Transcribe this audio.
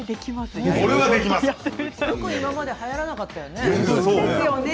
よく今まではやらなかったよね。